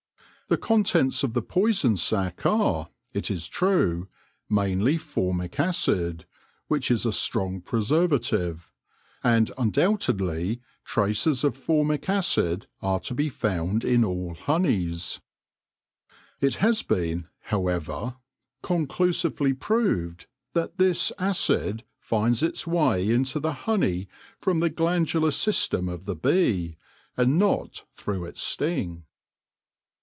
The contents of the poison sac are, it is true, mainly formic acid, which is a strong preservative ; and undoubtedly traces of formic acid are to be found in all honeys. It has been, however, conclusively proved that this acid WHERE THE BEE SUCKS 155 finds its way into the honey from the glandular system of the bee, and not through its sting.